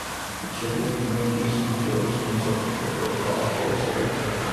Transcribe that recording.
The Tribute Communities Centre was constructed to replace the Oshawa Civic Auditorium.